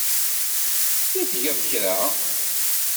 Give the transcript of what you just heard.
I tgeḍ kra?